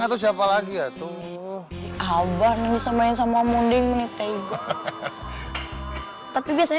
atau siapa lagi ya tuh abah nengisah main sama munding menitai gua tapi biasanya